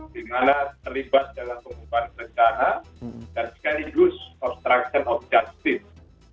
dimana terlibat dalam pengubahan rencana dan sekaligus obstruction of justice